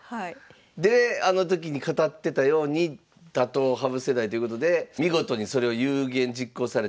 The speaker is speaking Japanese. であの時に語ってたように打倒羽生世代ということで見事にそれを有言実行されてこれが２０１８年？